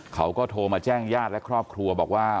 เขาก็โทรมาแจ้งญาติและครอบครัวบอกว่า